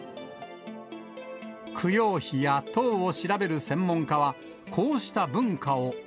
供養碑や塔を調べる専門家は、こうした文化を。